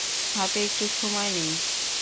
হাতে একটুও সময় নেই!